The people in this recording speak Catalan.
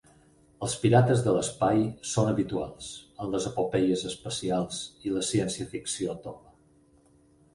Els pirates de l'espai són habituals en les epopeies espacials i la ciència ficció tova.